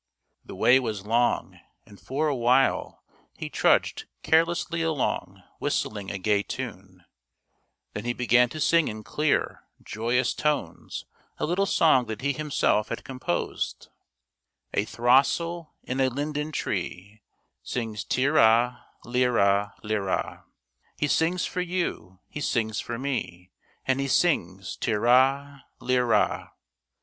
The way was long, and for a while he trudged carelessly along whistling a gay tune. FREDERICK BARBAROSSA 129 Then he began to sing in clear, joyous tones a little song that he himself had composed :—" A throstle in a linden tree Sings tir ra, lir ra, lir ra ; He sings for you, he sings for me. And he sings tir ra, lir ra.